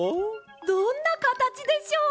どんなかたちでしょう？